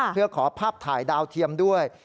เพื่อขอภาพถ่ายดาวเทียมด้วย